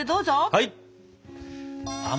はい！